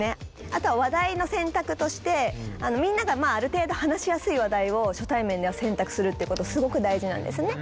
あとは話題の選択としてみんながある程度話しやすい話題を初対面では選択するってことすごく大事なんですね。